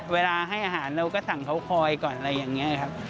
เวลาให้อาหารเราก็สั่งเขาคอยก่อนอะไรอย่างนี้ครับ